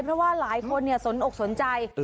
เพราะว่าหลายคนสนใจ